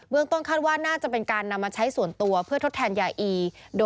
ต้นคาดว่าน่าจะเป็นการนำมาใช้ส่วนตัวเพื่อทดแทนยาอี